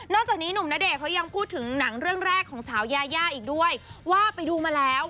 จากนี้หนุ่มณเดชนเขายังพูดถึงหนังเรื่องแรกของสาวยายาอีกด้วยว่าไปดูมาแล้ว